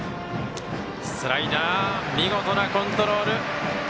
スライダー見事なコントロール。